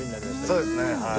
そうですねはい。